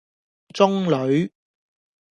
中女